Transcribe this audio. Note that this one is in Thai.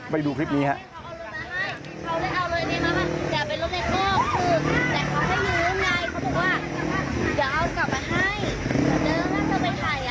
ไปดูคลิปนี้ครับ